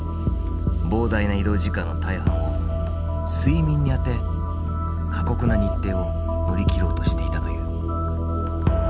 膨大な移動時間の大半を睡眠にあて過酷な日程を乗り切ろうとしていたという。